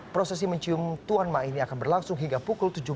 prosesi mencium tuan ma ini akan berlangsung hingga pukul tujuh belas